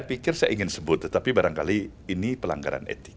saya pikir saya ingin sebut tetapi barangkali ini pelanggaran etik